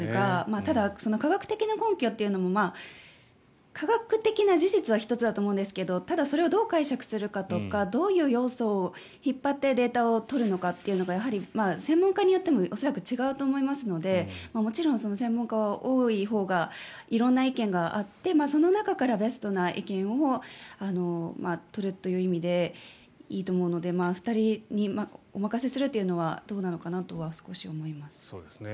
ただ、科学的な根拠というのも科学的な事実は１つだと思いますがただ、それをどう解釈するかとかどういう要素を引っ張ってデータを取るのかっていうのが専門家によっても恐らく違うと思いますのでもちろん専門家は多いほうが色んな意見があってその中からベストな意見を取るという意味でいいと思うので２人にお任せするというのはどうなのかなとは少し思います。